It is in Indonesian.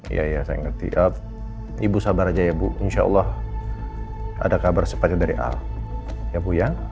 iya ya saya ngerti ibu sabar aja ya bu insya allah ada kabar sepatnya dari allah ya bu ya